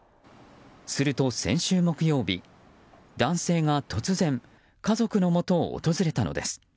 すると先週木曜日、男性が突然家族のもとを訪れたのです。